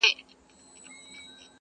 آسمانه ما ستا د ځوانۍ په تمه-